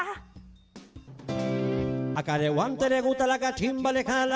ใส่ข้าวเหนียวพี่ใส่กลวยด้วย